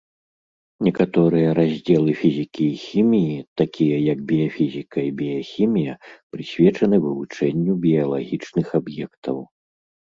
Некаторыя раздзелы фізікі і хіміі, такія як біяфізіка і біяхімія прысвечаны вывучэнню біялагічных аб'ектаў.